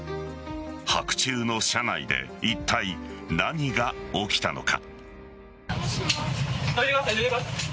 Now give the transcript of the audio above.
白昼の車内でいったい何が起きたのか。